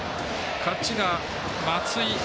勝ちが松井。